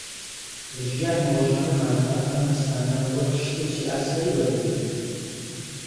لە ژیانی ڕۆژانەماندا ئەم هەستانە وەک شتێکی ئاسایی وەردەگرین